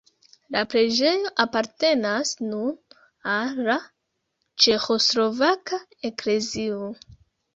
La preĝejo apartenas nun al la Ĉeĥoslovaka eklezio.